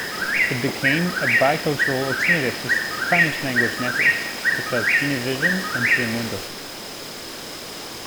It became a bicultural alternative to Spanish-language networks such as Univision and Telemundo.